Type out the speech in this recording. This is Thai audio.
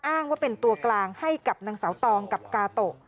อ้างว่าเป็นตัวกลางให้กับนางสาวตองกับกาโตะ